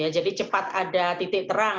jadi cepat ada titik terang